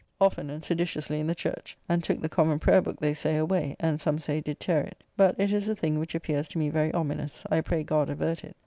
"] often and seditiously in the church, and took the Common Prayer Book, they say, away; and, some say, did tear it; but it is a thing which appears to me very ominous. I pray God avert it.